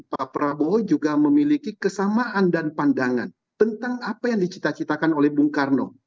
pak prabowo juga memiliki kesamaan dan pandangan tentang apa yang dicita citakan oleh bung karno